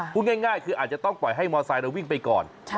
พูดง่ายคืออาจจะต้องปล่อยให้มอไซค์วิ่งไปก่อน